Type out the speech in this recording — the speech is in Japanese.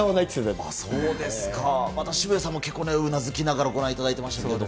そうですか、また渋谷さんも結構ね、うなずきながらご覧いただいてましたけれども。